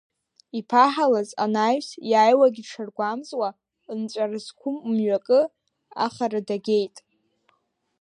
Иԥаҳалаз анаҩс иааиуагьы дшаргәамҵуа, нҵәара зқәым мҩакы ахара дагеит.